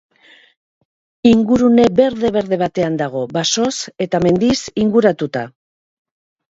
Ingurune berde-berde batean dago, basoz eta mendiz inguratuta.